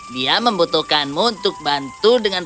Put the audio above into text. dia membutuhkanmu untuk bantu dengan